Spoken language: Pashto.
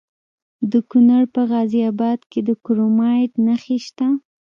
د کونړ په غازي اباد کې د کرومایټ نښې شته.